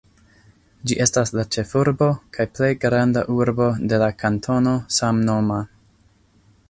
Ĝi estas la ĉefurbo kaj plej granda urbo de la kantono samnoma.